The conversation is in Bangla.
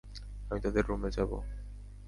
আমি তাদের রুমে যাবো।